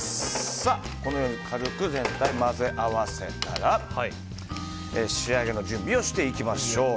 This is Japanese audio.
このように軽く全体を混ぜ合わせたら仕上げの準備をしていきましょう。